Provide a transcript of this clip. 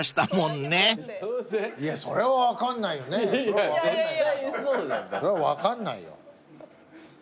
それは分かんないよ。